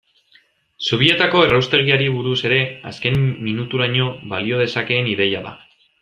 Zubietako erraustegiari buruz ere, azken minuturaino balio dezakeen ideia da.